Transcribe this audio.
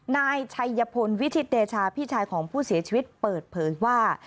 นายชัยพลวิชิตเดชาพี่ชายของผู้เสียชีวิตเปิดเผยว่า